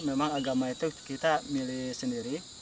memang agama itu kita milih sendiri